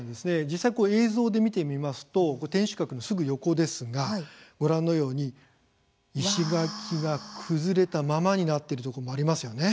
実際、映像で見てみますと天守閣のすぐ横ですがご覧のように石垣が崩れたままになっているところもありますよね。